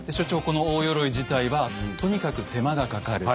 この大鎧自体はとにかく手間がかかる。